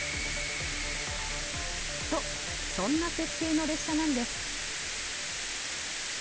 と、そんな設定の列車なんです。